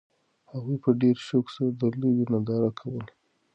هغوی په ډېر شوق سره د لوبې ننداره کوله.